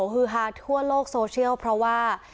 ฮือฮาทั่วโลกโซเชียลเพราะว่า